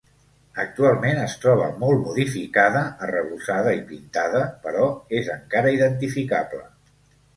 Actualment es troba molt modificada, arrebossada i pintada, però és encara identificable.